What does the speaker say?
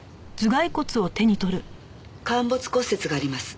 陥没骨折があります。